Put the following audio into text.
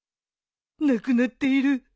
なくなっている。